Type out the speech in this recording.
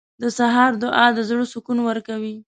• د سهار دعا د زړه سکون ورکوي.